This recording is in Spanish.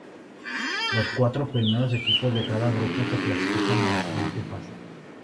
Los cuatro primeros equipos de cada grupo se clasifican a la siguiente fase.